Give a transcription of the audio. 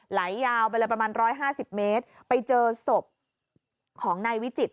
ไหลยาวไปเลยประมาณ๑๕๐เมตรไปเจอศพของนายวิจิต